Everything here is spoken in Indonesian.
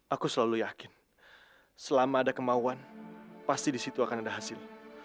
aku selalu yakin selama ada kemauan pasti disitu akan ada hasil